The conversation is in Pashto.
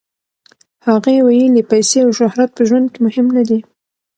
هغې ویلي، پیسې او شهرت په ژوند کې مهم نه دي.